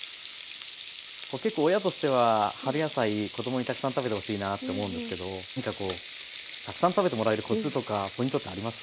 結構親としては春野菜子供にたくさん食べてほしいなって思うんですけど何かたくさん食べてもらえるコツとかポイントってあります？